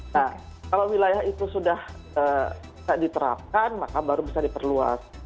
nah kalau wilayah itu sudah diterapkan maka baru bisa diperluas